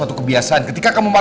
fall kenapa r tidak pake belajar